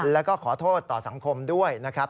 แล้วก็ขอโทษต่อสังคมด้วยนะครับ